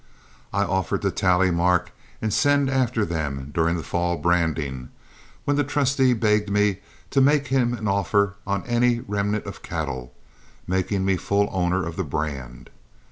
I offered to tally mark and send after them during the fall branding, when the trustee begged me to make him an offer on any remnant of cattle, making me full owner of the brand.